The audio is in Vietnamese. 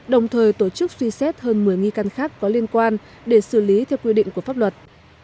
đồng thời tổ chức suy xét hơn một mươi nghi can khác có liên quan để xử lý theo quy định của pháp luật